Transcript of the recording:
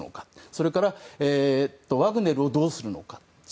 それからワグネルをどうするのか。